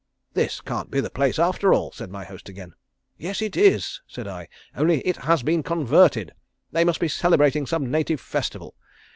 "'This can't be the place, after all,' said my host again. "'Yes it is,' said I, 'only it has been converted. They must be celebrating some native festival.'